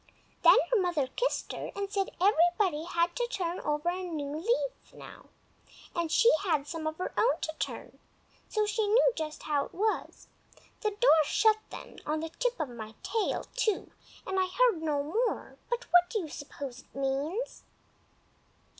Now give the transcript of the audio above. Then her mother kissed her, and said everybody had to turn over new leaves now, and she had some of her own to turn, so she knew just how it was. The door shut then—on the tip of my tail, too—and I heard no more; but what do you suppose it means?"